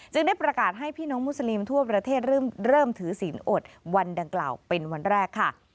ได้ประกาศให้พี่น้องมุสลิมทั่วประเทศเริ่มถือศีลอดวันดังกล่าวเป็นวันแรกค่ะ